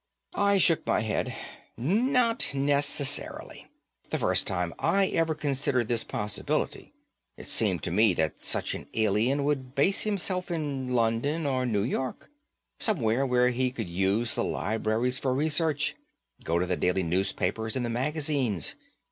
I shook my head. "Not necessarily. The first time I ever considered this possibility, it seemed to me that such an alien would base himself in London or New York. Somewhere where he could use the libraries for research, get the daily newspapers and the magazines.